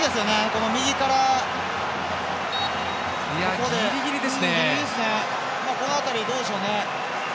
この辺り、どうでしょうね。